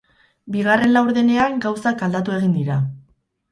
Bigarren laurdenean gauzak aldatu egin dira.